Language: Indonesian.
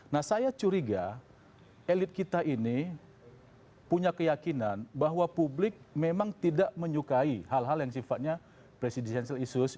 nah saya curiga elit kita ini punya keyakinan bahwa publik memang tidak menyukai hal hal yang sifatnya presidensial issues